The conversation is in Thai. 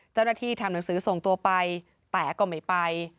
ทำหนังสือส่งตัวไปแต่ก็ไม่ไป